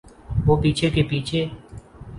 وہ پیچھے کے پیچھے۔